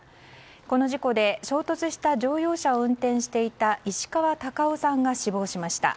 この事故で衝突した乗用車を運転していた石川孝夫さんが死亡しました。